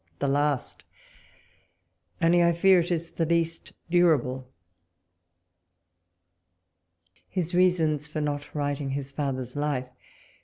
the last— only I fear it is the least durable. ... HIS REASOXS FOR NOT WRITING HIS FATHER'S LIFE.